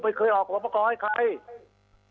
ไม่เคยออกสวปกรให้ใคร